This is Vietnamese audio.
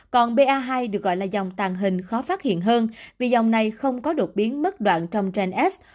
còn ba hai được gọi là dòng tàn hình khó phát hiện hơn vì dòng này không có đột biến mất đoạn trong gens